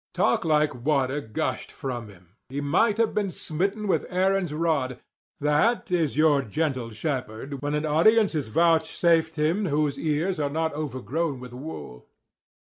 Talk like water gushed from him: he might have been smitten with Aaron's rod—that is your gentle shepherd when an audience is vouchsafed him whose ears are not overgrown with wool.